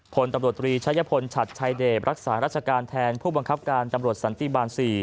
พลตำรวจตรีชัยพลฉัดชายเดชรักษาราชการแทนผู้บังคับการตำรวจสันติบาล๔